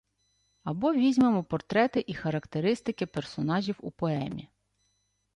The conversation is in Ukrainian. Або візьмемо портрети і характеристики персонажів у поемі.